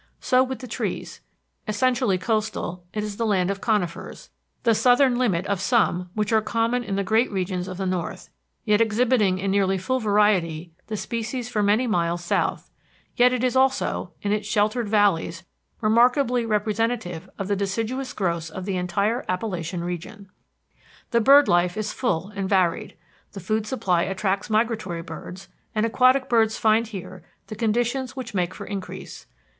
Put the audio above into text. So with the trees. Essentially coastal, it is the land of conifers, the southern limit of some which are common in the great regions of the north, yet exhibiting in nearly full variety the species for many miles south; yet it is also, in its sheltered valleys, remarkably representative of the deciduous growths of the entire Appalachian region. [Illustration: FRENCHMAN'S BAY FROM THE EAST CLIFF OF CHAMPLAIN MOUNTAIN Lafayette National Park] The bird life is full and varied. The food supply attracts migratory birds, and aquatic birds find here the conditions which make for increase.